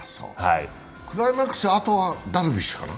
クライマックス、あとはダルビッシュかな。